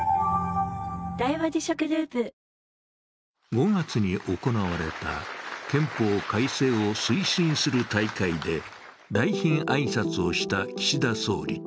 ５月に行われた憲法改正を推進する大会で来賓挨拶をした岸田総理。